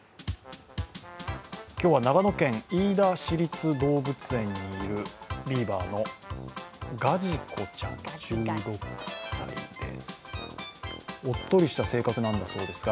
今日は長野県飯田市立動物園にいるビーバーのガジコちゃん１６歳です。